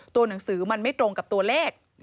หนังสือมันไม่ตรงกับตัวเลข